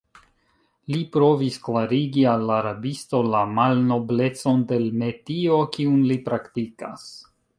Li provis klarigi al la rabisto la malnoblecon de l' metio, kiun li praktikas.